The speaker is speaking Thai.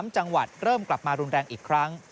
๓จังหวัดเริ่มกลับมารุนแรงอีกครั้ง